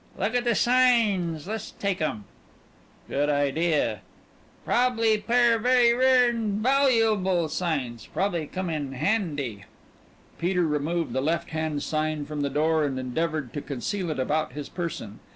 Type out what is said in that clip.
"Look at the signs. Let's take 'em." "Good idea." "Probably pair very rare an' valuable signs. Probably come in handy." Peter removed the left hand sign from the door and endeavored to conceal it about his person.